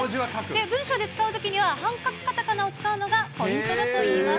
文章で使うときには半角カタカナを使うのがポイントだといいます。